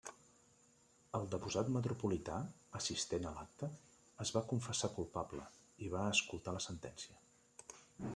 El deposat metropolità, assistent a l'acte, es va confessar culpable, i va escoltar la sentència.